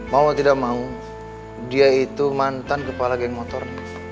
mau tidak mau dia itu mantan kepala geng motor